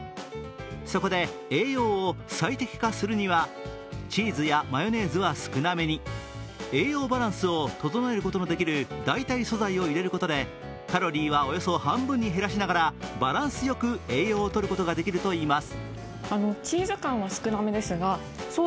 そこで栄養を最適化するにはチーズやマヨネーズは少なめに栄養バランスを整えることのできる代替素材を入れることでカロリーはおよそ半分に減らしながら、バランス良く、栄養をとることができるといいます。